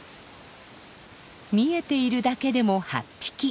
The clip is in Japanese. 見えているだけでも８匹。